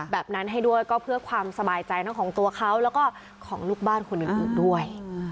แบบนั้นให้ด้วยก็เพื่อความสบายใจทั้งของตัวเขาแล้วก็ของลูกบ้านคนอื่นด้วย